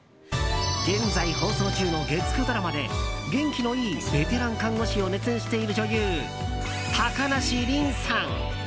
現在放送中の月９ドラマで元気のいいベテラン看護師を熱演している女優・高梨臨さん。